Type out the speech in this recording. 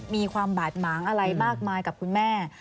มีความบาดหมางอะไรมากมายกับคุณแม่